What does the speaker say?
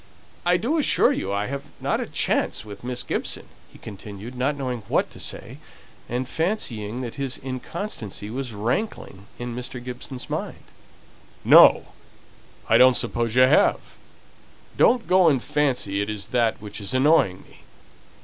"I do assure you I haven't a chance with Miss Gibson," he continued, not knowing what to say, and fancying that his inconstancy was rankling in Mr. Gibson's mind. "No! I don't suppose you have. Don't go and fancy it is that which is annoying me.